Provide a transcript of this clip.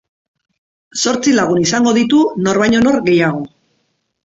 Zortzi lagun izango ditu nor baino nor gehiago.